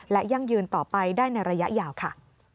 และยั่งยืนต่อไปได้ในระยะยาวค่ะ